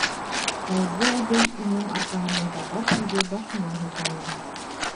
Ғәззә әбей уның арҡаһынан тапап һөйҙө, башынан һыйпаны.